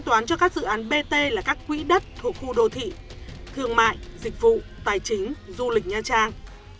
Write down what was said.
toán cho các dự án bt là các quỹ đất thuộc khu đô thị thương mại dịch vụ tài chính du lịch nha trang